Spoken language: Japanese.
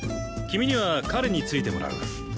君には彼についてもらう。